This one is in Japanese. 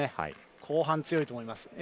後半、強いと思います。